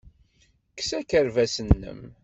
Kkes akerbas-nnem.